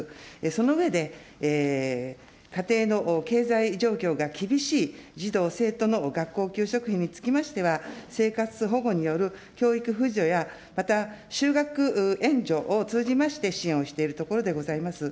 その上で、家庭の経済状況が厳しい児童・生徒の学校給食費につきましては、生活保護による教育扶助やまた、就学援助を通じまして支援をしているところでございます。